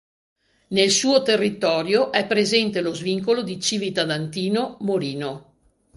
Nel suo territorio è presente lo svincolo di Civita d'Antino-Morino.